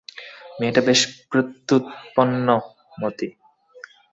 মেয়েটা বেশ প্রত্যুৎপন্নমতি।